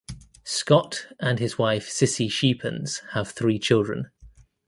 Scott and his wife Cissy Schepens have three children.